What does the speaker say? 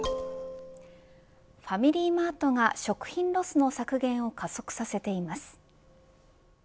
ファミリーマートが食品ロスの削減を加速させています。